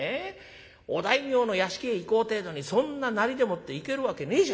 お大名の屋敷へ行こうってえのにそんななりでもって行けるわけねえじゃねえか。